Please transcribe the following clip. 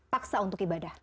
paksa untuk ibadah